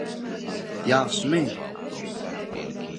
Ýagşymy